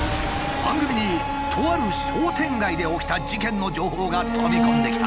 番組にとある商店街で起きた事件の情報が飛び込んできた。